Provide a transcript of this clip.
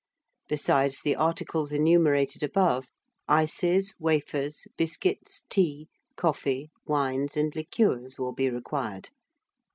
Besides the articles enumerated above, Ices, Wafers, Biscuits, Tea, Coffee, Wines and Liqueurs will be required.